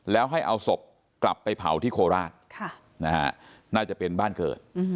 แล้วให้เอาศพกลับไปเผาที่โคราชน่าจะเป็นบ้านเกิด